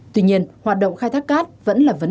tuy nhiên hoạt động khai thác cát vẫn là vấn đề nóng bằng